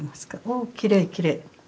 おっきれいきれい。